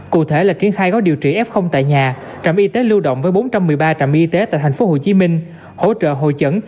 cụ thể là triển khai gói điều trị f tại nhà trạm y tế lưu động với bốn trăm một mươi ba trạm y tế tại tp hcm hỗ trợ hội chẩn